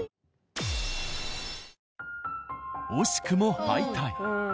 惜しくも敗退。